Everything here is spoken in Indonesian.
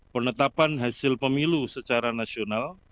penetapan hasil pemilu secara nasional